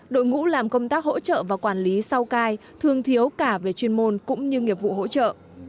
đội ngũ làm công tác hỗ trợ và quản lý sau cai thường thiếu cả về chuyên môn cũng như nghiệp vụ hỗ trợ